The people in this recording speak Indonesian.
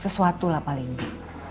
sesuatu lah paling di